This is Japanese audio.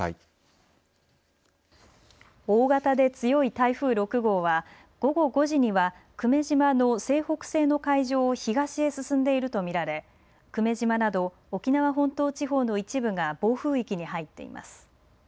大型で強い台風６号は午後５時には久米島の西北西の海上を東へ進んでいると見られ久米島など沖縄本島地方の一部が暴風域に入っています。